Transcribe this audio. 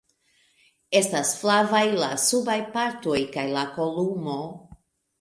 Estas flavaj la subaj partoj kaj la kolumo.